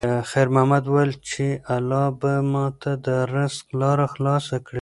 خیر محمد وویل چې الله به ماته د رزق لاره خلاصه کړي.